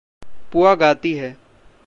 पुआ गाती है।